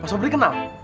pak suparlan kenal